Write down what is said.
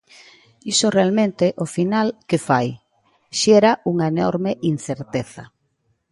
Iso realmente, ao final, ¿que fai?: xera unha enorme incerteza.